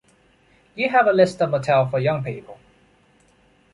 Do you have a list of motel for young people?